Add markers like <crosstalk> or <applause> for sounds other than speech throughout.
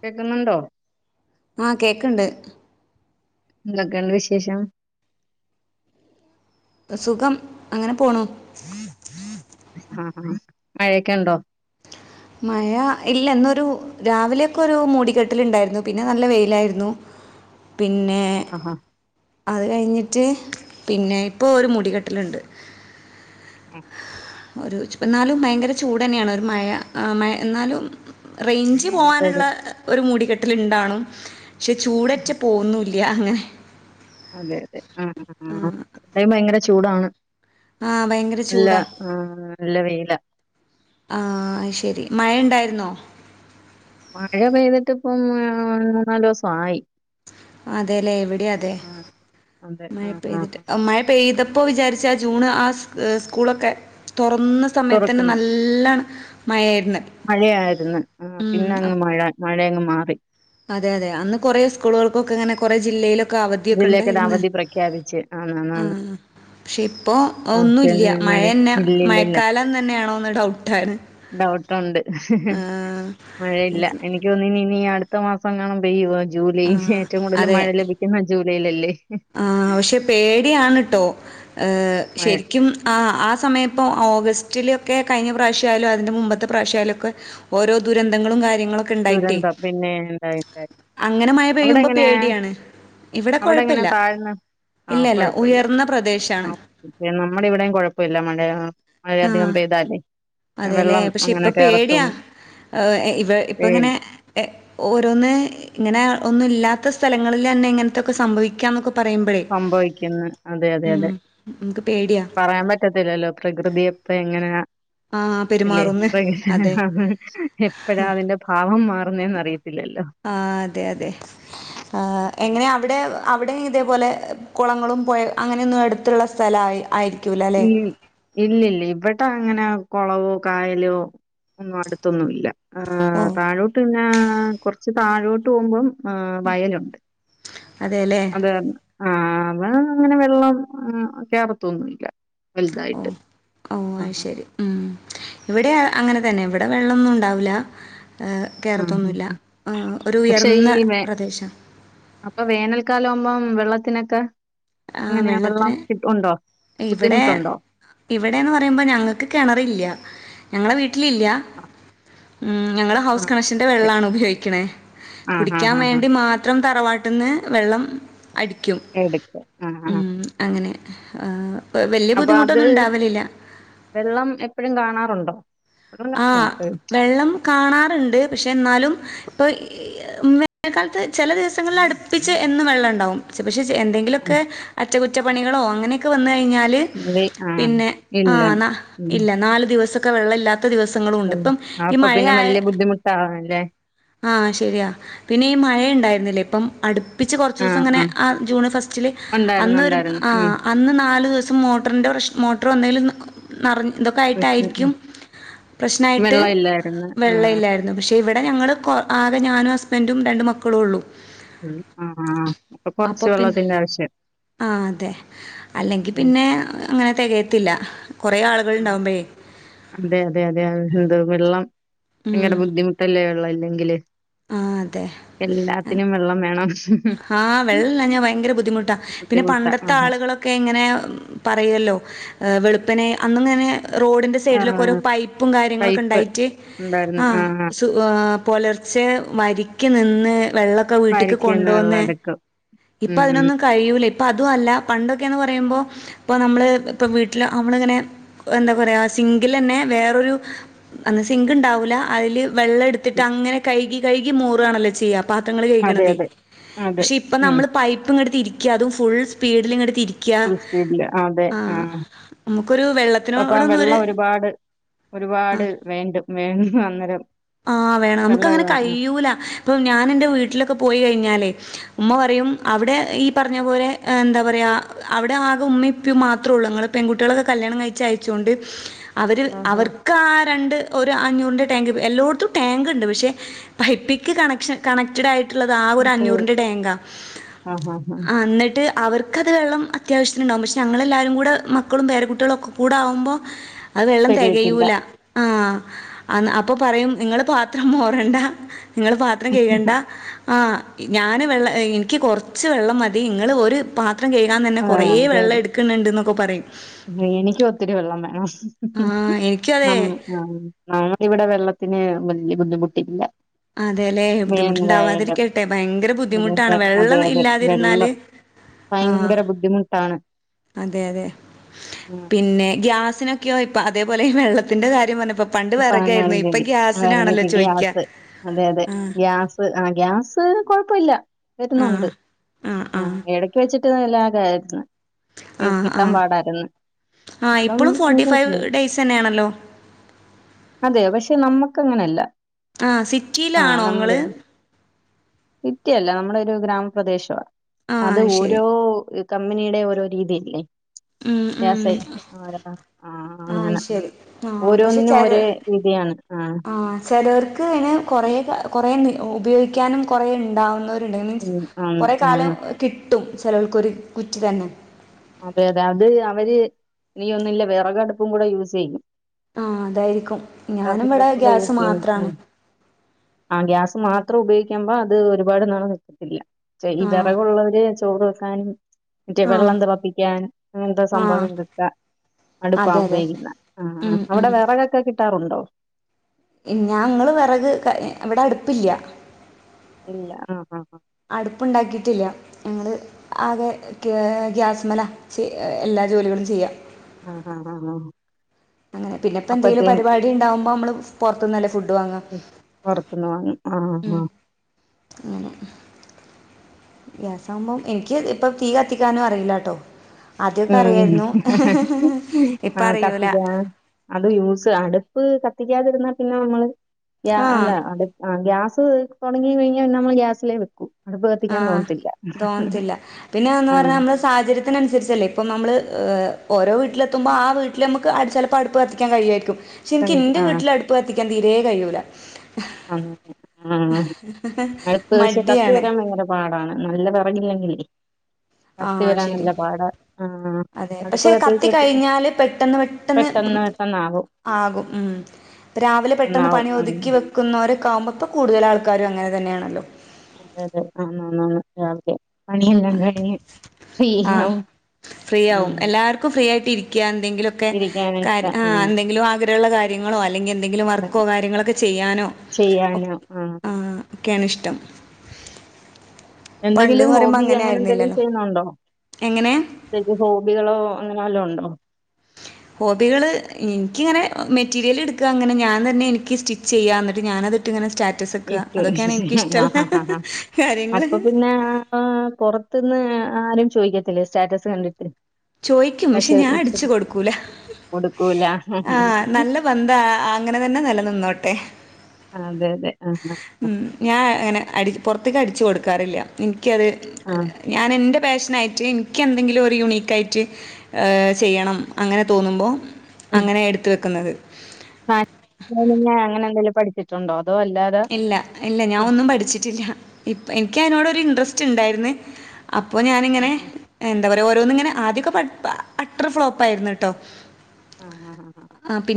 കേക്കുന്നുണ്ടോ ആഹ കേക്ക്ണ്ട് എന്തൊക്കെണ്ട് വിശേഷം സുഖം അങ്ങനെ പോണു. ആ മഴയൊക്കെ ഉണ്ടോ? മഴ ഇല്ല ഇന്നൊരു രാവിലെയൊക്കെ ഒരു മൂടിക്കെട്ടിലുണ്ടായിരുന്നു പിന്നെ നല്ല വെയിലായിരുന്നു. പിന്നെ. ആ ആ അത് കഴിഞ്ഞിട്ട് പിന്നെ ഇപ്പോ ഒരു മുടികെട്ടല്ണ്ട്. അ ഒരു എന്നാലും ഭയങ്കര ചൂടെന്നെയാണ് ഒരു മഴ മഴ എന്നാലും. റേഞ്ച് അതെ പോകാനുള്ള അതെ ഒരു മൂടിക്കെട്ടില് ഇണ്ടാണും പക്ഷെ ആഹാ, ചൂടെട്ട് പോവുന്നു ല്ല അങ്ങനെ. അതെ അതെ ആ എന്ത ഭയങ്കര ചൂടാണ്. ആ ഭയങ്കര നല്ല ചൂടാണ് ആ നല്ല വെയില. ആ ശരി മഴണ്ടായിരുന്നോ? മഴ പെയ്തിട്ട് ഇപ്പം മൂന്നാലോസായി. അതെല്ലേ എവിടെ അതെ അതെ മഴ ആ ആ പെയ്തിട്ട് ആ. മഴ പെയ്തപ്പോ വിചാരിച്ച ച്ച ജൂണ് ആ സ്കൂളൊക്കെ തുറന്ന സമയത്ത് തന്നെ തുറക്കുന്നു നല്ലാണ് മയെര് മഴയായിരുന്നു ആ പിന്നെ അങ്ങ് മഴ മഴ അങ്ങ് മാറി. അതെ അതെ അന്ന് കൊറെ സ്കൂളൾക്കൊക്കെ അങ്ങനെ കൊറെ ജില്ലയിലും ക്ക അവധിയൊക്കെ ജില്ലയ്ക്ക് ഒരു ഉണ്ടായിന്ന് അവധി പ്രഖ്യാപിച്ച് ആന്ന് ആന്ന് ആ. ആന്ന് പക്ഷെ ഇപ്പോ ഒന്നുല്ല ആവശ്യമായ മഴ മഴന്നെ ഇല്ലില്ലില്ല മഴക്കാലം തന്നെയാണോന്ന് ഡൗട്ടാണ്. ടൗ ണ്ട് ആ മഴയില്ല എനിക്ക് തോന്ന് ഇനി അടുത്ത മാസം കാണുമ്പെയ്യോ ജൂലൈൽ ആ ഏറ്റവും കൂടുതൽ അതെ മഴ ലഭിക്കുന്ന ജൂലൈലല്ലേ? ആ പക്ഷെ പേടിയാണ് ട്ടോ ങ് മഴ ശരിക്കും ആ ആ സമയപ്പോ ഓഗസ്റ്റിലൊക്കെ കഴിഞ്ഞ പ്രാവശ്യ ആയാലും അതിൻറെ മുമ്പത്തെ പ്രാവ്യആയാലുംഒക്കെ ഓരോ ദുരന്തങ്ങളും കാര്യ ര്യങ്ങളൊക്കെ ഉണ്ടായിട്ടേ ദുരന്തം പിന്നെ എന്തായി ഉണ്ടായി അങ്ങനെ മഴ അവിടെ പെയ്യുമ്പോ എങ്ങനെയാ പേടിയാണ്. ഇവിടെ അവിടെ എങ്ങനെയാ കൊഴപ്പല്ല. ആ ഇല്ല ഇല്ല കൊഴപ്പല്ല ഉയർന്ന ആ പ്രദേശാണ്. നമ്മുടെ ഇവിടെയും കൊഴപ്പില്ല മഴ വളരെയധികം പെയ്തല്ലേ. അതെല്ലെ പക്ഷെ ഇപ്പ പേടിയാ ങ് ഇവ ഇപ്പ ഇങ്ങനെ ഏ- ങ് ഓരോന്ന് ഇങ്ങനെ ഒന്നും ഇല്ലാത്ത സ്ഥലങ്ങളിലന്നെ ഇങ്ങനത്തെക്കെ സംഭവിക്കാന്നൊക്കെ പറയുമ്പഴേ സംഭവിക്കുന്ന്‌ അതെ അതെ ഉം അതെ. നമുക്ക് പേടിയാ. പറയാൻ പറ്റത്തില്ലല്ലോ പ്രകൃതിയപ്പ എങ്ങനാ? ആഹ് അല്ലെ പെരുമാറുന്ന് പ്രകൃ അതെ എപ്പഴാ അതിന്റെ ഭാവം മാറുന്നേന്ന് അറിയത്തി ഇല്ലല്ലോ? ആ അതെ അതെ ങ് എങ്ങനെ അവിടെ അവിടെ ഇതേപോലെ. കുളങ്ങളും പുഴ അങ്ങനെയൊന്നും എടുത്തുള്ള സ്ഥലയി ആയിരി ഈ ഇല്ല ഇല്ല ഇവ ടെ അങ്ങനെ കുളവും കായലും ഒന്നും അടുത്തൊന്നുംല്ല ഉം താഴോട്ട് പിന്നെ ആ കുറച്ച് താഴോട്ട് പോകുമ്പം ആ വയലുണ്ട്. അതെല്ലേ. കാരണം ആ അത് അങ്ങനെ വെള്ളം കേറത്തൊന്നുല്ല. ഓ ഓ അ ശരി ഉം. ഇവിടെ അങ്ങനെ തന്നെ ഇവിടെ വെള്ളന്നും ഉണ്ടാവൂല്ല. ആഹ് കേറത്തൊന്നുല്ല ആഹ് ഒരു പക്ഷെ ഈ ഉയർന്ന വേ പ്രദേശ അപ്പൊ വേനൽക്കാലം ആവുമ്പം വെള്ളത്തിനൊക്കെ ആഹ് ഇങ്ങനെയ വെള്ളം വെള്ളത്തിന് ഇപ്പം ഉണ്ടോ? ഇവിടെ ബുദ്ധിമുട്ടുണ്ടോ ഇവിടെന്ന് പറയുമ്പോ ഞങ്ങൾക്ക് കെണറില്ല. ഞങ്ങളെ വീട്ടില് ഇല്ല. ഞങ്ങൾ ഹൗസ് ആഹ് കണക്ഷന്റെ ശരി വെള്ളാണ് ഉപയോഗിക്ണേ ആഹ് കുടിക്കാൻ ആഹ് ആഹ് ആഹ് വേണ്ടി മാത്രം. തറവാട്ട്ന്ന് വെള്ളം അടിക്കും. എടുക്ക ആഹ് ആഹ് ഉം അങ്ങനെ. അ വലിയ അപ്പൊ അത് ബുദ്ധിമുട്ടൊന്നും ഇണ്ടാവലില്ല. വെള്ളം എപ്പഴും കാണാറുണ്ടോ വെള്ളം ആ കാണുവോ എപ്പഴും വെള്ളം കാണാറ്ണ്ട്. പക്ഷെ ന്നാലും ഇപ്പൊ ഈ മഴക്കാലത്ത് ചെല ദിവസങ്ങളിൽ അട്പ്പിച്ച് എന്നും വെള്ളം ഇണ്ടാവും. പക്ഷെ ചെ എന്തെങ്കിലൊക്കെ അറ്റകുറ്റപ്പണികളോ അങ്ങനെയൊക്കെ വന്നു കൈഞ്ഞാല് അത് ആഹ് പിന്നെ ആ ഇല്ല നാ ഉം ഇല്ല നാല് ദിവസൊക്കെ വെള്ളഇല്ലാത് ത ദിവസങ്ങളും ഉണ്ട്. ഉം ഇപ്പം ഈ അപ്പൊ പിന്നെ മഴയായെ വല്യ ബുദ്ധിമുട്ടാവല്ലേ ആഹ്. ശരിയാ പിന്നെ ഈ മഴയുണ്ടായിരുന്നില്ലേ ഇപ്പം അടുപ് പ്പിച്ച് കുറച്ച് ദിവസം ആഹ് ഇങ്ങനെ ആഹ് ആ ജൂണ് ഫസ്റ്റ്ല്. ഒണ്ടായിരുന്നു അന്നൊരു ഒണ്ടായിരുന്നു ആ ഉം അന്ന് നാല് ദിവസ് മോട്ടറിൻ്റെ പ്രശ് മോട്ടർ വന്നേലും നി നിറഞ്ഞ് ഇതൊക്കെ പക്ഷെ ഉം ആയിട്ടായിരിക്കും പ്രശ്നായിട്ട് വെള്ളം ഇല്ലായിരുന്നു വെള്ള ആഹ് ഇല്ലായിരുന്നു. പക്ഷേ ഇവിടെ ഞങ്ങള് കൊ ആകെ ഞാനു ഹസ്ബൻറു രണ്ടു മക്കളു ഉള്ളൂ. ഉം ആ ആ അപ്പൊ കൊറച്ച് വെള്ളത്തിന്റെ ആവശ്യം. ആ അതെ അല്ലെങ്കി ഉം പിന്നെ അങ്ങനെ തികയത്തില്ല. ആ അതെ അതെ അതെ എന്ത. വെള്ളം, ഉം നിങ്ങടെ ബുദ്ധിമുട്ടല്ലേ വെള്ളം ഇല്ലെങ്കില്. ആഹ് അതെ. എല്ലാത്തിനും വെള്ളം വേണം. ആഹ് വെള്ളില്ലാഞ്ഞ ഭയങ്കര ബുദ്ധിമുട്ടാ പിന്നെ ബുദ്ധിമുട്ടാ പണ്ടത്തെ ആഹ് ആളുകളൊക്കെ ഇങ്ങനെ പറയും ല്ലോ. വെളുപ്പിന് അന്നിങ്ങനെ റോഡിന്റെ സൈഡിലൊക്കെ ഓരോ ആഹ് പൈപ്പും കാര്യങ്ങളൊക്കെ പൈപ്പ് ഇണ്ടായിട്ട് ഉണ്ടായിരുന്നു ആ ആഹ് സ് പോലൊരു പക്ഷേ വരിക്ക് നിന്ന് വെള്ളൊക്കെ വീട്ട്ക്ക് പരിക്കീന്ന് കൊണ്ട് വെള്ളം വന്ന്, എടുക്കും ഇപ്പൊ ഉം അതിനൊന്നും കഴിയൂല ഇപ്പ അതു അല്ല പണ്ടൊക്കെന്ന് പറയുമ്പോ ഇപ്പോ നമ്മള് ഇപ്പോ വീട്ടില് അമ്മളിങ്ങനെ എന്താ പറയുവ. സിങ്കിൽ എന്നെ വേറൊരു സിങ്ക് ഉണ്ടാവൂല്ല അതിൽ വെള്ളം എട്ത്തിട്ട് അങ്ങനെ കഴുകി കഴുകി മോറുവാണല്ലോ ചെയ്യാ. പാത്രങ്ങൾ അതെ കഴ്കണതേ. അതെ അതെ പക്ഷെ ഇപ്പ ഉം നമ്മള് പൈപ്പ് ഇങ്ങട് തിരിക്ക്യ അതും ഫുൾ സ്പീഡിൽ ഇങ്ങട് തിരിക് ക്ക്യ ഫുൾ സ്പീഡില് അതെ ആ ആഹ് നമുക്കൊരു അപ്പൊ വെള്ളത്തിനോടൊന്നര് വെള്ളം ഒരുപാട് ഒരുപാട് വേണ്ട വേണ്ട അന്നേരം വെള്ളം ക്കങ്ങനെ ആഹ് കഴിയൂല്ല. ഇപ്പൊ ഞാൻ എന്റെ വീട്ടിലൊക്കെ പോയി കഴിഞ്ഞാലേ ഉമ്മ പറയും അവ്ടെ ഈ പറഞ്ഞ പോലെ എന്താ പറയാ അവിടെ ആകെ ഉമ്മപ്പും മാത്രേ ഉള്ളൂ ങ്ങൾ പെൺകുട്ടികളൊക്കെ കല്യാണം കഴിച്ചയച്ചുകൊണ്ട് അവര് ആഹാ അവർക്ക് ആ രണ്ട് ഒരു അഞ്ഞൂറിൻ്റെ ടാങ്ക് എല്ലോട്ത്തും ടാങ്ക് ഇണ്ട് പക്ഷേ പൈപ്പിക്ക് കണക്ഷൻ കണക്റ്റഡ് ആയിട്ട് ട്ടള്ളത് ആ ഒരു ട്ട് അഞ്ഞൂറിന്റെ ടാങ്കാ. ആഹ് ആഹ് ആഹ് ആ ഇന്നിട്ട് അവർക്കത് വെള്ളം അത്യാവശ്യത്തിന്ണ്ടാവും പക്ഷെ ഞങ്ങളെല്ലാവരും കൂട മക്കളും പേര കുട്ടികളും ഒക്കെ കൂട ആവുമ്പോ അത് വെള്ളം തികയത്തില്ല തെകയൂല ആ അന് അപ്പ പറയും നിങ്ങള് പാത്രം മോ റണ്ട നിങ്ങള് പാത്രം കൈകണ്ട ആ ഞാന് വെള്ള ഇനിക്ക് കൊറച്ച് വെള്ളം മതി ഇങ്ങൾ ഒരു പാ ത്രം കഴുകാൻ തന്നെ ആഹ് കൊറെ അതെ വെള്ളം അതെ എടുക്ക്ണണ്ട്ന്നൊക്കെ പറയും. എനിക്കും ഒത്തിരി വെള്ളം വേണം ആ എനിക്കും അതെ. നം നമ്മളിവിടെ വെള്ളത്തിന് വലിയ ബുദ്ധിമുട്ടില്ല. അതെല്ലെ. വേനലായാലും ബുദ്ധിമുട്ടുണ്ടാവാതിരിക്കട്ടെ. ഭയങ്കര അതെ ബുദ്ധിമുട്ടാണ്. അതെ വെള്ളം അതെ ഇല്ലാതിരുന്നാല് വെള്ളം ആ. ഭയങ്കര ബുദ്ധിമുട്ട് അതെ അതെ ഉം പിന്നെ ഗ്യാസിനൊക്കെയോ ഇപ്പ അതേപോലെ വെള്ളത്തിന്റെ കാര്യം പറഞ്ഞപ്പോ പണ്ട് ഇ പറ പറഞ്ഞ വെറകായിരുന്നു ഇപ്പൊ <unintelligible> അ ഗ്യാസിനാണല്ലോ ഇറങ്ങിട്ട് ചോയിക്ക. ഗ്യാസ് അതെ അതെ ആഹ് ഗ്യാസ് ആ ഗ്യാസ് കൊഴപ്പില്ല വരുന്നുണ്ട് ആഹ് ആഹ് ആ ആഹ് എടക്ക് വെച്ചിട്ട് ഇല്ലാതായിരുന്നു. കി കിട്ടാൻ പാടായിരുന്ന്. ആ ഇപ്പളും ഫോർട്ടി ഫൈവ് ഡേയ്സ് എന്നെയാണല്ലോ? അതെ പക്ഷെ നമ്മക്ക് അങ്ങനല്ല. ആഹ് ആഹ സിറ്റിയിലാണോ നമ്മടെ ഇങ്ങള്? സിറ്റിയല്ല നമ്മടെ ഗ്രാമപ്രദേശവാ. ആഹ് അത് അയ് ശരി. ഓരോ കമ്പനിയുടെ ഓരോ രീതിയല്ലേ. ഉം ഉം സൈ <unintelligible> ആരാ ആഹ ആഹ് അയ് അങ്ങനെ ശരി ഓരോന്നിനും ഓരോ രീതിയാണ് ആഹ് ആ ചിലവർക്ക് കൊറേ കൊറേ ഉപയോഗിക്കാനും കൊറേ ഉണ്ടാവുന്ന ഉം <unintelligible> ആണ് കൊറേ കാലം ആണ് കിട്ടും ചെലോൽക്ക് ഒരു കുറ്റി തന്നെ അതെ അതെ അത് അവര് ഇനിയൊന്നും ഇല്ലേ വിറകടുപ്പും കൂടെ യൂസ് ചെയ്യും ആഹ് അതായിരിക്കും ഞാനും ഇവിടെ വിറകടുപ്പും കൂടെ ഗ്യാസ് യൂസ് ചെയ്യും മാത്രാണ്. ഉം ആഹ് ഗ്യാസ് മാത്രം ഉപയോഗിക് ക്കുമ്പം അത് ഒരുപാട് നാള് നിക്കത്തില്ല ചെ ഈ ആഹ് വിറകുള്ളവര് ചോറ് വെക്കാനും മറ്റേ ആഹ് വെള്ളം തെളപ്പിക്കാനും അങ്ങനത്തെ ആഹ് സംഭവങ്ങക്കൊക്കെ അടുപ്പാ അതെ അതെ ഉപയോഗിക്കുന്നെ ആഹ് ആഹ് ഉം ഉം അവിടെ വിറകൊക്കെ കിട്ടാറുണ്ടോ ഞങ്ങള് വെറക് ക ഇവിടെ അടുപ്പില്ല ഇല്ല ആഹ് ആഹ് ആഹ് അടുപ്പ്ണ്ടാക്കിറ്റില്ല ഞങ്ങള് ആകെ കെ ഗ്യാസ്മില്ലാ ചി എല്ലാ ജോലികളും ചെയ്യാ ആഹ് ആഹ് ആഹ് ആഹ് അങ്ങനെ പിന്നെപ്പൊ എന്തെങ്കിലും പരിപാടി ഇണ്ടാകുമ്പോ നമ്മള് പൊറത്തുന്നല്ലേ ഉം പൊറത്തുന്ന് വാങ്ങും ആഹ് ഉം ആഹ് അങ്ങനെ ഗ്യാസ് ആവുമ്പോ എനിക്ക് ഇപ്പ തീ കത്തിക്കാനും അറിയില്ലാട്ടോ ആദ്യൊക്കെ ഉം അറിയായിരുന്നു ഇപ്പ ആഹ് അറിയൂല കത്തിക്കാൻ അത് യൂസ് അടുപ്പ് കത്തിക്കാതിരുന്നാ പിന്നെ നമ്മള് ഗ്യാ അല്ല ആഹ് അടുപ്പ് ആഹ് ഗ്യാസ് തൊടങ്ങി കഴിഞ്ഞാ പിന്നെ നമ്മള് ഗ്യാസിലേ വെക്കും ആഹ് തോന്നത്തില്ല പിന്നെ ഒന്ന് ആ പറഞ്ഞാ നമ്മള് സാഹചര്യത്തിനനുസരിച്ചല്ലെ ഇപ്പം നമ്മള് ഏഹ് ഓരോ വീട്ടിലെത്തുമ്പോ ആ വീട്ടില് നമ്മക്ക് അട് ചെലപ്പ അടുപ്പ് കത്തിക്കാൻ കഴിയായിരിക്കും ശരിക്ക് എന്റെ ആ വീട്ടില് അടുപ്പ് കത്തിക്കാൻ തീരെ കഴിയൂല ആഹ് ആഹ് അടുപ്പ് പക്ഷെ കത്തി മടിയാണ് വരാൻ ഭയങ്കര പാടാണ് നല്ല <unintelligible> കത്തി ആഹ് വരാൻ ശരി നല്ല പാട ആഹ് അതെ അടുപ്പ് പക്ഷെ കത്തി കത്തിച്ചാ കഴിഞ്ഞാല് പെട്ടെന്ന് ഇപ്പം പെട്ടെന്ന് അന്നാവോ ആകും ഉം ഇപ്പ രാവിലെ പെട്ടെന്ന് പെട്ടെന്നാവും പണി ഉം ഒതുക്കി നിക്കുന്നവരൊക്കാകുമ്പോ ഇപ്പോ കൂടുതൽ ആൾക്കാരും അങ്ങനെ തന്നാണല്ലോ അതെ അതെ അന്നാ അന്നാ അന്നാന് രാവിലെ പണിയെല്ലാം കഴിഞ്ഞ് ഫ്രി ആഹ് ആവും ഉം ഇരിക്കാൻ എന്തെങ്കിലക്കെ ഇരിക്കാന കാര്യ ഇഷ്ടം ആഹ് എന്തെങ്കിലും ആഗ്രഹുള്ള കാര്യങ്ങളോ അല്ലെങ്കിൽ എന്തെങ്കിലും വർക്കോ കാര്യങ്ങളൊക്കെ ചെയ്യാനോ ചെയ്യാനോ ആഹ് ഒക്കെയാണ് ഇഷ് ട്ടം എന്തെങ്കിലും ഹോബി അങ്ങനെ എന്തെങ്കിലും ചെയ്യുന്നാളുണ്ടോ എങ്ങനെ ശ ഹോബികളോ കാലുണ്ടോ ഹോബികൾ എനിക്കിങ്ങനെ മെറ്റീരിയൽ എടുക്കുക അങ്ങനെ ഞാൻ തന്നെ എനിക്ക് സ്റ്റിച്ച് ചെയ്യാം എന്നിട്ട് ഞാനതിട്ട് ഇങ്ങനെ സ്റ്റാറ്റസ് വെക്കുക ഇട്ട് അതൊക്കെയാണ് എനിക്കിഷ്ടമുള്ള ആ കാര്യങ്ങള് അപ്പൊ പിന്നെ പൊറ ത്ത്ന്ന് ആരും ചോദിക്കത്തില്ലേ സ്റ്റാറ്റസ് കണ്ടിട്ട് ചോയ്ക്കും പക്ഷെ ഞാൻ അടിച്ചു കൊടുക്കൂല കൊടുക്കൂല ആഹ് നല്ല ബദ്ധാ അങ്ങനെ തന്നെ നില നിന്നോട്ടെ ആഹ് അതെ അതെ ആഹ് ഉം ഞാൻ അങ്ങനെ പുറത്തേക്ക് അടിച്ചു കൊടുക്കാറില്ല എനിക്കത് ആഹ് ഞാൻ എന്റെ ഫാഷൻ ആയിട്ട് എനിക്ക് എന്തെങ്കിലും ഒരു യുണീക്കായിട്ട് ചെയ്യണം അങ്ങനെ തോന്നുമ്പോൾ അങ്ങനെ എടുത്ത വെക്കുന്നത് ആഹ് <unintelligible> അങ്ങനെ എന്തെങ്കിലും പഠിച്ചിട്ടുണ്ടോ അതോ അല്ലാതെ ഇല്ല ഇല്ല ഞാൻ ഉം ഒന്നും പഠിച്ചിട്ടില്ല ഇപ്പ എനിക്ക് അതിനോട് ഒരു ഇൻട്രസ്റ്റ് ഉണ്ടായിരുന്നു അപ്പോൾ ഉം ഞാനിങ്ങനെ ഉം എന്താ പറയാ ഓരോന്നിങ്ങനെ ആദ്യമൊക്കെ അറ്റർ ഫ്ലോപ്പ് ആയിരുന്നു കേട്ടോ ആ ആ ആ ആ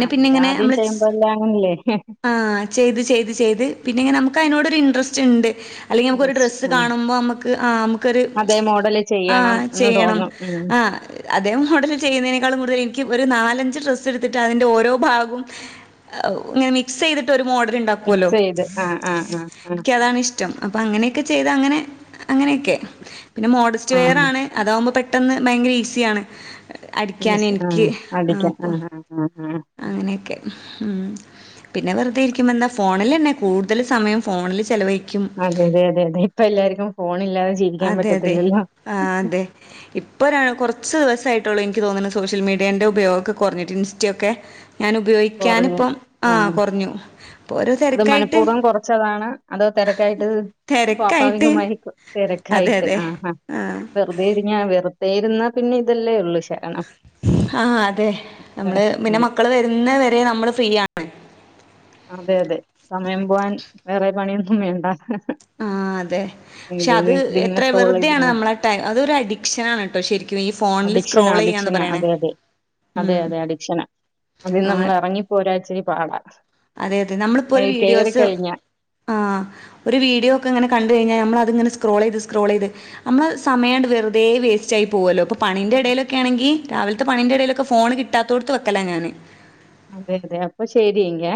ആ അല്ല ആദ്യ നമ്മള് ചെയ്യുമ്പോ എല്ലാം അങ്ങനല്ലേ ആ ചെയ്ത് ചെയ്ത് ചെയ്ത് പിന്നെങ്കി നമുക്ക് അയ്നോട് ഒര് ഇൻട്രസ്റ്റ് ഇണ്ട് അല്ലെങ്കി നമ്മക്ക് ഒര് ജസ്റ്റ് ഡ്രസ്സ് ആ കാണുമ്പ അമ്മക്ക് ആ അമ്മക്ക് ഒര് അതേ മോഡല് ആ ചെയ്യണം എന്ന് ചെയ്യണം തോന്നും ഉം ആ അതേ മോഡൽ ചെയ്യ്ന്നെനേക്കാൾ കൂടുതൽ എനിക്ക് ഒര് നാലഞ്ച് ഡ്രസ്സ് എട്ത്തിട്ട് അതിന്റെ ഓരോ ഭാകും ഇങ്ങനെ മിക്സയ്തിട്ട് ഒര് മോഡല് പോലൊ മിക്സ് ചെയ്ത് ആ ആ ആ ആ ഇക്ക് അതാണ് ഇഷ്ട്ടം അപ്പ അങ്ങനെ ക്കെ ചെയ്ത അങ്ങനെ അങ്ങനെക്കെ പിന്നെ മോഡിസ്റ്റ് ആ വേയറാണ് അതാവുമ്പോ പി ട്ടെന്ന് ഭയങ്കര ഈസിയാണ് അടിക്കാന് മീൻസ് ആ എനിക്ക് അടിക്കാം ആ അപ്പൊ ആ ആ ആ അങ്ങനെയെക്കെ. മ്ഹ് പിന്നെ വെറ്തെ ഇരിക്കുമ്പ എന്താ ഫോണിൽ തന്നെ കൂടുതൽ സമയം ഫോണിൽ ചിലവഴി അതെതെ അതെ അതെ ഇപ്പ എല്ലാർക്കും ഫോണില്ലാ അതെ അതെ ആ അതെ ഇപ്പൊഴാണ് കുർച്ച് ദിവസയി <unintelligible> എനിക്ക് തോന്നണ് സോഷ്യൽ മീഡിയന്റെ ഉപയോഗക്കെ കൊറഞ്ഞിട്ട് ഇൻസ്റ്റയൊക്കെ ഞാൻ ഉപയോഗിക്കാന് ഇപ്പം ആ കൊറഞ്ഞു ഇപ്പൊ ഓരോ അത് തെരക്കായിട്ട് മനഃപൂർവ്വം കുറച്ചതാണ് അതോ തെരക്കായിട്ട് സ്വാഭാവികമായി അതെ തെരക്കായിട്ട് അതെ ആ ആ വെറുതെ ഇരിഞ്ഞാ വെറു <unintelligible> പിന്നെ ഇതല്ലേ ഉള്ളൂ ശരണം ഹ അതെ അതെ നമ്മള് ആ പിന്നെ മക്കള് വെരുന്ന വരെ നമ്മള് ഫ്രീയാണ് അതെ അതെ സമയം പോവാൻ വേറെ പണിയൊന്നും വേണ്ട ആ അതെ പക്ഷെ ഇത് ഇത് അത് ഇതിങ്ങനെ എത്ര സ്ക്രോൾ വെറ്തെയാണ് ചെയ്തിരുന്ന നമ്മള് ആ ടൈ അത് ഒര് അഡിക്ഷനാണ് ട്ടോ ശരിക്കു ഈ ഫോൺ അഡിക്ഷന അഡിക്ഷന അതെ അതെ അതെ ഉം. അതെ അഡിക്ഷന അതിന്ന് ആ നമ്മള് എറങ്ങിപ്പോരാൻ ഇച്ചിരി പാട അതെ അതെ നമ്മളിപ്പോ ഒര് വീഡിയോസ് ആ ഒര് വീഡിയോക്കെ ഇങ്ങനെ കണ്ട് കഴിഞ്ഞാ നമ്മള് അത്ങ്ങനെ സ്ക്രോളെയ്ത് സ്ക്രോളെയ്ത് നമ്മള് സമയണ്ട് വെറു വേർതെ വേസ്റ്റായി പോവല്ലോ ഇപ്പോ പണിന്റെ ഇടയിലൊക്കെണെങ്കിൽ രാവിലത്തെ പണിന്റെ ഇടയിലൊക്കെ ഫോണ് കിട്ടാതോട്ത് വെക്കല ഞാന് ഉ അതെ അതെ അപ്പൊ ശരി എങ്കെ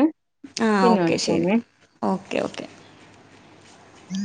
ആ ഓക്കെ ശരി ഓക്കെ ഓക്കെ ഉം